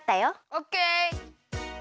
オッケー！